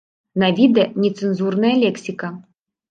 На відэа нецэнзурная лексіка!